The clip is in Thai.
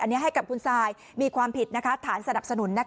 อันนี้ให้กับคุณซายมีความผิดฐานสนับสนุน